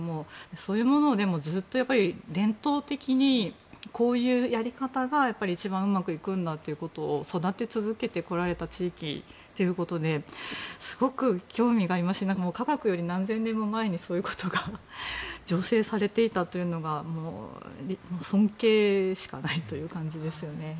そういうものをずっと伝統的にこういうやり方が一番うまくいくんだということを育て続けこられてきた地域ということですごく興味がありますし科学よりも何千年も前にそういうことが醸成されていたということが尊敬しかないという感じです。